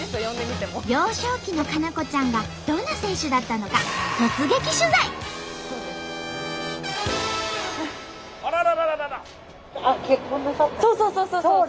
幼少期の佳菜子ちゃんがどんな選手だったのかそうそうそうそう！